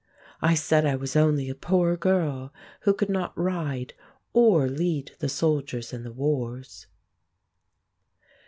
I said I was only a poor girl, who could not ride or lead the soldiers in the wars."